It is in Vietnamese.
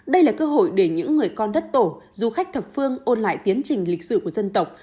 đây là cơ hội để những người con đất tổ du khách thập phương ôn lại tiến trình lịch sử của dân tộc